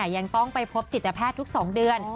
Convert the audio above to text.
ยังต้องไปพบจิตแพทย์ทุก๒เดือน